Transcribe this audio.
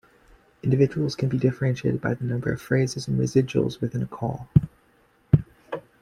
Individuals can be differentiated by the number of phrases and residuals within a call.